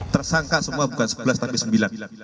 tersangka semua bukan sebelas tapi sembilan